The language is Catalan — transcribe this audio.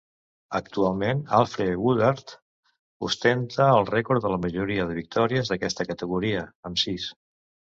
Actualment, Alfre Woodard ostenta el rècord de la majoria de victòries d'aquesta categoria, amb sis.